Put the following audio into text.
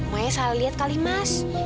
makanya salah lihat kali mas